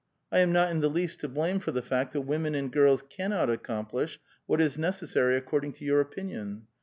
I am not in the least to blame for the fact that women and girls cannot accomplish what is necessary according to your opinion.